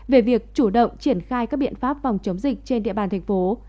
về việc chủ động triển khai các biện pháp phòng chống dịch trên địa bàn thành phố